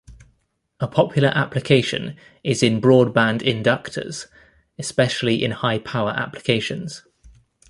A popular application is in broadband inductors, especially in high-power applications.